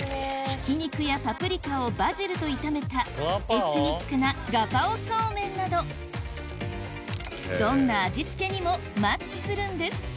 ひき肉やパプリカをバジルと炒めたエスニックなガパオそうめんなどどんな味付けにもマッチするんです